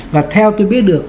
và theo tôi biết được